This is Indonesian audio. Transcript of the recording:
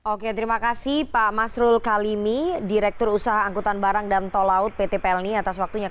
oke terima kasih pak masrul kalimi direktur usaha angkutan barang dan tol laut pt pelni atas waktunya